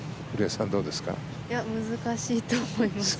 難しいと思います。